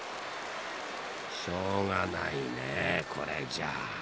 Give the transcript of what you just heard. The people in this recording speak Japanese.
［しょうがないねこれじゃあ］